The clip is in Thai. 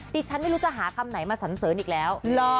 ฉันไม่รู้จะหาคำไหนมาสันเสริญอีกแล้ว